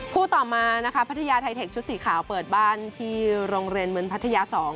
ต่อมานะคะพัทยาไทเทคชุดสีขาวเปิดบ้านที่โรงเรียนเมืองพัทยา๒